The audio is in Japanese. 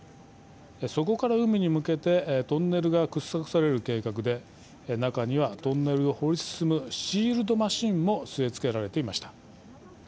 底から海に向けてトンネルが掘削される計画で中にはトンネルを掘り進むシールドマシンも据え付けられていました。